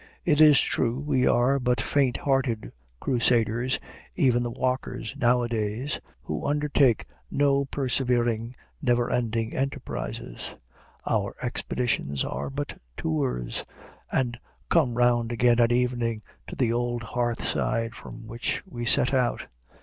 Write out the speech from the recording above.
It is true, we are but faint hearted crusaders, even the walkers, nowadays, who undertake no persevering, never ending enterprises. Our expeditions are but tours, and come round again at evening to the old hearth side from which we set out.